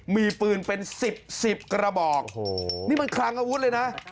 มีปืนเป็น๑๐กระบอกนี่มันคลั่งอาวุธเลยนะ